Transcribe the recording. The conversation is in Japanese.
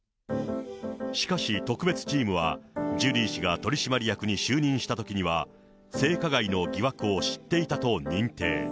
しかし、特別チームは、ジュリー氏が取締役に就任したときには、性加害の疑惑を知っていたと認定。